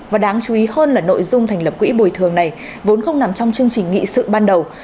và đáng chú ý hơn là nội dung thành lập quỹ bồi thường này vốn không nằm trong chương trình nghị sự ban đầu